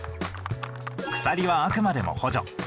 鎖はあくまでも補助。